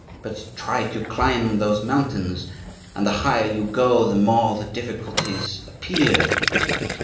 but try to climb those mountains and the higher you go the more the difficulties appear.